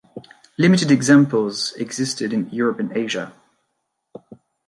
Limited examples existed in Europe and Asia.